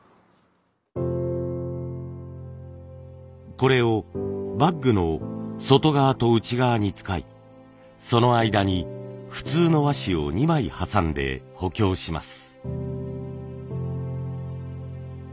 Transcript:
これをバッグの外側と内側に使いその間に普通の和紙を２枚挟んで補強します。